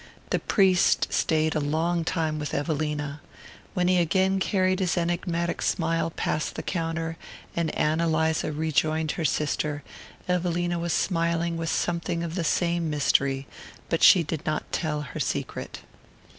The priest stayed a long time with Evelina. When he again carried his enigmatic smile past the counter, and Ann Eliza rejoined her sister, Evelina was smiling with something of the same mystery; but she did not tell her secret.